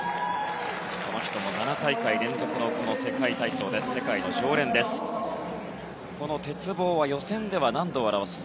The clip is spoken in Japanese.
この人も７大会連続の世界体操です。